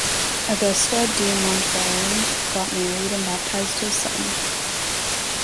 Auguste de Montferrand got married and baptized his son.